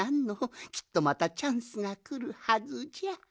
きっとまたチャンスがくるはずじゃ。